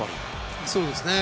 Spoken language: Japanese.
そうですね。